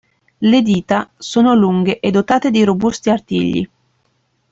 Le dita sono lunghe e dotate di robusti artigli.